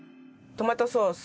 トマトソース。